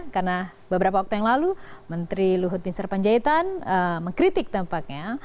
karena beberapa waktu yang lalu menteri luhut bin serpanjaitan mengkritik tampaknya